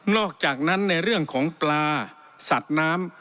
อกจากนั้นในเรื่องของปลาสัตว์น้ำ